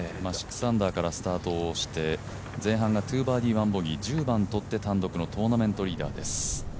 ６アンダーからスタートして前半が２アンダー１ボギー１０番とって、単独のトーナメントリーダーです。